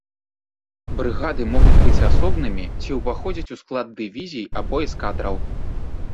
Брыгады могуць быць асобнымі ці ўваходзіць у склад дывізій або эскадраў.